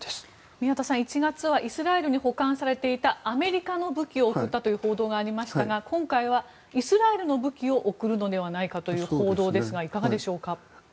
宮田さん、１月はイスラエルに保管されていたアメリカの武器を送ったという報道がありましたが今回はイスラエルの武器を送るのではないかという報道ですがいかがでしょうか。